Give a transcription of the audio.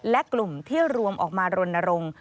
และกลุ่มที่รวมออกมารณรงค์